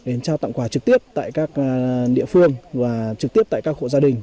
đến trao tặng quà trực tiếp tại các địa phương và trực tiếp tại các hộ gia đình